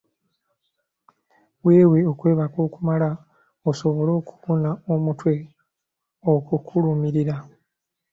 Weewe okwebaka okumala osobole okuwona omutwe okukulumirira.